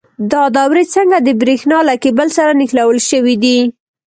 دا دورې څنګه د برېښنا له کیبل سره نښلول شوي دي؟